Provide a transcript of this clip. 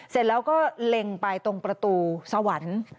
เสร็จแล้วก็เล็งไปตรงประตูสวรรค์